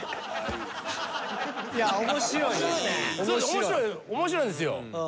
面白い面白いんですよ。